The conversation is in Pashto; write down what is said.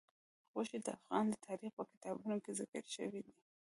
غوښې د افغان تاریخ په کتابونو کې ذکر شوي دي.